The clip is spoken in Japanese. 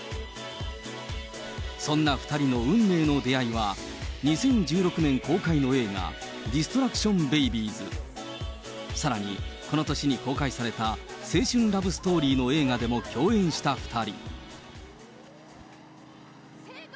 そんな２人の運命の出会いは、２０１６年公開の映画、ディストラクションベイビーズ、さらに、この年に公開された青春ラブストーリーの映画でも共演した２人。